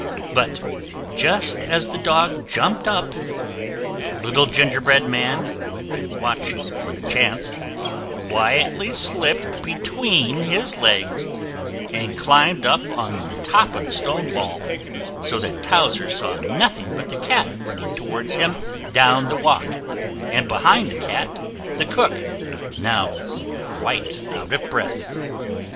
But just as the dog jumped up, the little gingerbread man, who had been watching for the chance, quietly slipped between his legs, and climbed up on the top of the stone wall, so that Towser saw nothing but the cat running towards him down the walk, and behind the cat the cook, now quite out of breath.